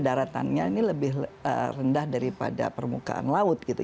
daratannya ini lebih rendah daripada permukaan laut gitu